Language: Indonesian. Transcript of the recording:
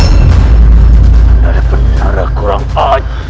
benar benar kurang ajar